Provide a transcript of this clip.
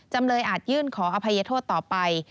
จำเลยอาจยื่นขออภัยโทษต่อไป